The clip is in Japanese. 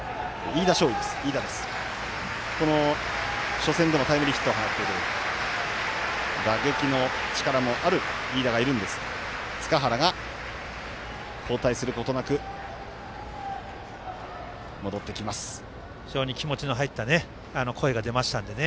初戦でもタイムリーヒットを放っている打撃の力もある飯田もいますが塚原が交代することなく非常に気持ちの入った声が出ましたんでね。